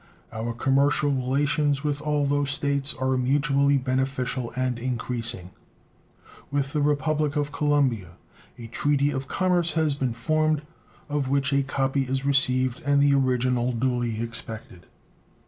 Our commercial relations with all those States are mutually beneficial and increasing. With the Republic of Colombia a treaty of commerce has been formed, of which a copy is received and the original daily expected.